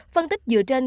phân tích dựa trên